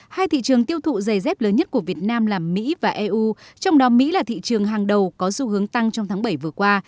hai thị trường tiêu thụ giày dép lớn nhất của việt nam là mỹ và eu trong đó mỹ là thị trường hàng đầu có xu hướng tăng trong tháng bảy vừa qua